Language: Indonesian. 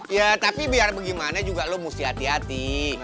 ya tapi biar bagaimana juga lo mesti hati hati